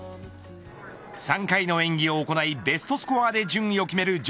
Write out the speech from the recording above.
３回の演技を行いベストスコアで順位を決める